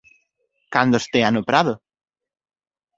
Cando estea no prado.